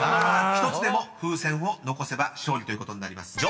［１つでも風船を残せば勝利ということになります］